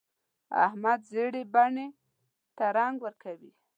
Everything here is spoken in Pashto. احمد زړې بنۍ ته رنګ ورکوي.